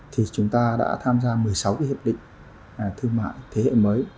thì chúng ta đã tham gia một mươi sáu cái hiệp định thương mại thế hệ mới